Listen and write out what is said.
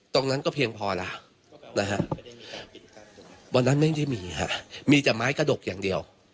ตรงนั้นก็เพียงพอแล้วนะฮะวันนั้นไม่ได้มีฮะมีแต่ไม้กระดกอย่างเดียว